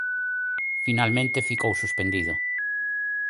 Finalmente, ficou suspendido.